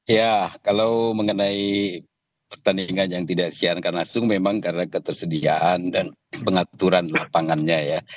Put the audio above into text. ya kalau mengenai pertandingan yang tidak siarkan langsung memang karena ketersediaan dan pengaturan lapangannya ya